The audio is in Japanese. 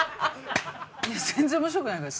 いや全然面白くないから。